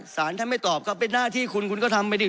สารท่านไม่ตอบก็เป็นหน้าที่คุณคุณก็ทำไปดิ